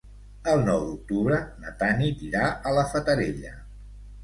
El nou d'octubre na Tanit irà a la Fatarella.